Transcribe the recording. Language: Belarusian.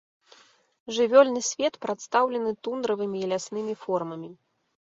Жывёльны свет прадстаўлены тундравымі і ляснымі формамі.